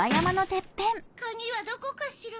カギはどこかしら？